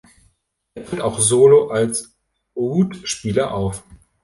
Er tritt auch solo als Oud-Spieler auf.